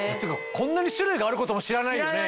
こんなに種類があることも知らないよね。